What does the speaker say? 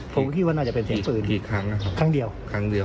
ผมก็คิดว่าน่าจะเป็นเสียงปืนกี่ครั้งนะครับครั้งเดียวครั้งเดียว